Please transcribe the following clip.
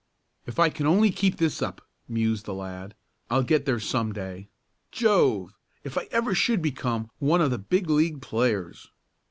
"If I can only keep this up," mused the lad, "I'll get there some day. Jove! If ever I should become one of the big league players!